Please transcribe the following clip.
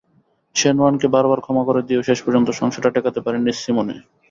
Shane ওয়ার্নকে বারবার ক্ষমা করে দিয়েও শেষ পর্যন্ত সংসারটা টেকাতে পারেননি সিমোনে।